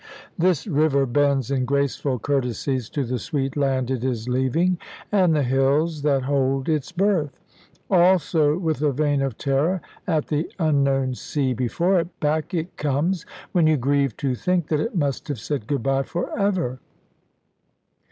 This river bends in graceful courtesies to the sweet land it is leaving, and the hills that hold its birth. Also with a vein of terror at the unknown sea before it, back it comes, when you grieve to think that it must have said "good bye" for ever.